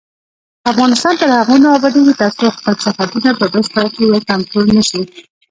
افغانستان تر هغو نه ابادیږي، ترڅو خپل سرحدونه په بشپړه توګه کنټرول نشي.